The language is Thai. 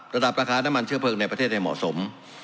ระดับราคาน้ำมันเชื้อเพลิงในประเทศให้เหมาะสม